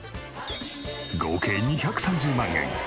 合計２３０万円！